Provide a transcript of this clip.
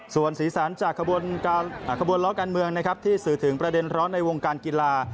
ส่วนสีสันจากขบวนล้อการเมืองนะครับที่สื่อถึงประเด็นร้อนในวงการกีฬา